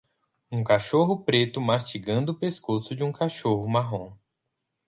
Um cachorro preto mastigando o pescoço de um cachorro marrom